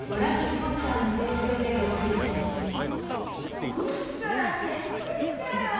初日から欠席かよ